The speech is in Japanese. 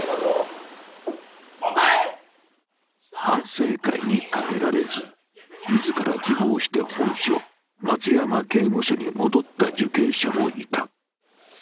反省会に耐えられず、自ら希望して本所・松山刑務所に戻った受刑者もいた。